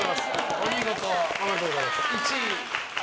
おめでとうございます。